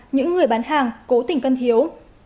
những người bán hàng cố tỉnh cân thiếu